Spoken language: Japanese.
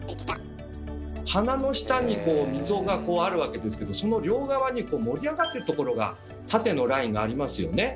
鼻の下に溝があるわけですけどその両側にこう盛り上がってるところが縦のラインがありますよね。